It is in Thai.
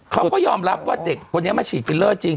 เขาก็ยอมรับว่าเด็กคนนี้มาฉีดฟิลเลอร์จริง